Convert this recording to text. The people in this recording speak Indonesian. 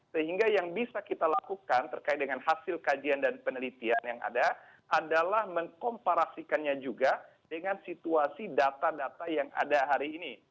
sehingga yang bisa kita lakukan terkait dengan hasil kajian dan penelitian yang ada adalah mengkomparasikannya juga dengan situasi data data yang ada hari ini